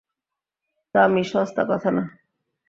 দামী, সস্তা কথা না।